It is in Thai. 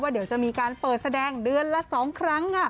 ว่าเดี๋ยวจะมีการเปิดแสดงเดือนละสองครั้ง